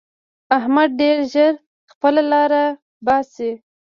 احمد ډېر ژر خپله لاره باسي.